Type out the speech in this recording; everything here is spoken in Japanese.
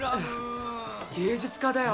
芸術家だよ